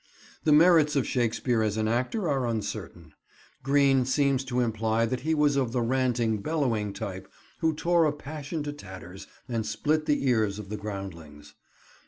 The merits of Shakespeare as an actor are uncertain. Greene seems to imply that he was of the ranting, bellowing type who tore a passion to tatters and split the ears of the groundlings.